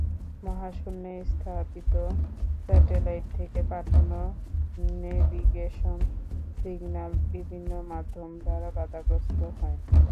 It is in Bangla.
মহাশূন্যে স্থাপিত স্যাটেলাইট থেকে পাঠানো নেভিগেশন সিগনাল বিভিন্ন মাধ্যম দ্বারা বাধাগ্রস্ত হয়।